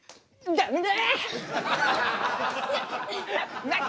ダメだ。